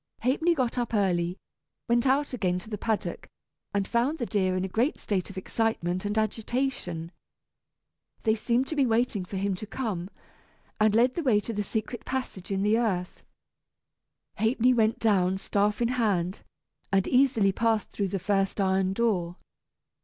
Ha'penny got up early, went out again to the paddock, and found the deer in a great state of excitement and agitation. They seemed to be waiting for him to come, and led the way to the secret passage in the earth. Ha'penny went down, staff in hand, and easily passed through the first iron door.